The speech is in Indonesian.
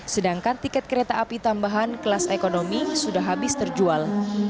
sedangkan tiket kereta api tambahan kelas ekonomi sudah habis terjual